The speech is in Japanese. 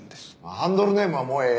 ハンドルネームはもうええ。